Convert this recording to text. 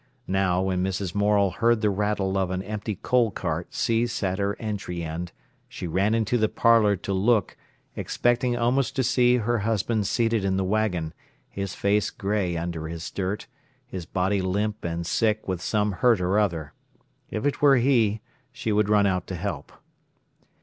Now, when Mrs. Morel heard the rattle of an empty coal cart cease at her entry end, she ran into the parlour to look, expecting almost to see her husband seated in the waggon, his face grey under his dirt, his body limp and sick with some hurt or other. If it were he, she would run out to help.